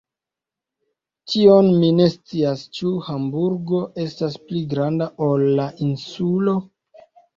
Tion mi ne scias; ĉu Hamburgo estas pli granda ol la Insulo?